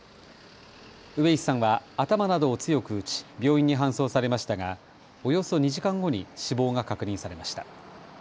上石さんは頭などを強く打ち病院に搬送されましたがおよそ２時間後に死亡が確認されました。